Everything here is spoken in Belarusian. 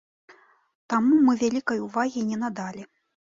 Таму мы вялікай увагі не надалі.